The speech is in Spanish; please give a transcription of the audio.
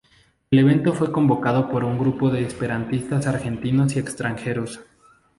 El evento fue convocado por un grupo de esperantistas argentinos y extranjeros.